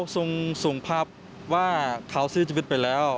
ครั้งเล็กเขาส่งภาพว่าเขาเสียชีวิตไปแล้ว